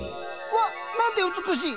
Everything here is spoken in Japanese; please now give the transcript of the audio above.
わっなんて美しい。